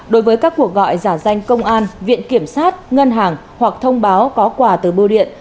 đối với các cuộc gọi giả danh công an viện kiểm sát ngân hàng hoặc thông báo có quà từ bưu điện